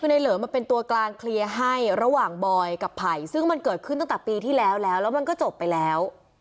คือในเหลิมมันเป็นตัวกลางเคลียร์ให้ระหว่างบอยกับไผ่ซึ่งมันเกิดขึ้นตั้งแต่ปีที่แล้วแล้วมันก็จบไปแล้ว